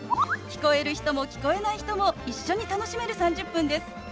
聞こえる人も聞こえない人も一緒に楽しめる３０分です。